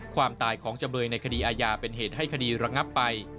ความตายของจำเลยในคดีอาญาเป็นเหตุให้คดีระงับไป